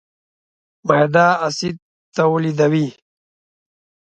معده اسید تولیدوي.